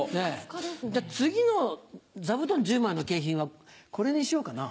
次の座布団１０枚の景品はこれにしようかな？